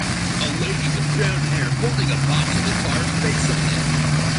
A lady with brown hair holding a box with a carved face on it.